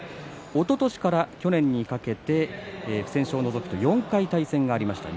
おととしから去年にかけて不戦勝を除くと４回、対戦がありました。